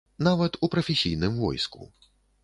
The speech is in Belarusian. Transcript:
Нават у прафесійным войску.